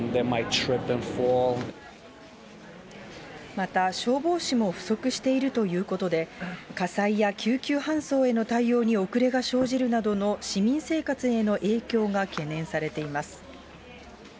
また、消防士も不足しているということで、火災や救急搬送への対応に遅れが生じるなどの市民生活への影響が懸念されています。